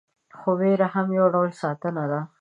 خو ویره هم یو ډول ساتنه ده.